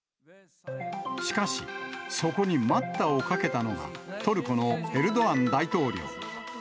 しかし、そこに待ったをかけたのがトルコのエルドアン大統領。